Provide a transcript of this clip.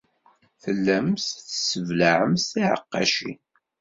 Tellamt tesseblaɛemt tiɛeqqacin.